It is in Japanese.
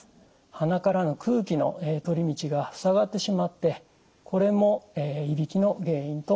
鼻からの空気の通り道がふさがってしまってこれもいびきの原因となります。